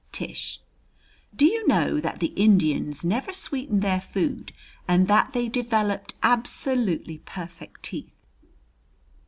Tish: Do you know that the Indians never sweetened their food and that they developed absolutely perfect teeth?